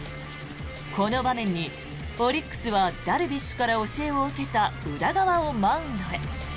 この場面にオリックスはダルビッシュから教えを受けた宇田川をマウンドへ。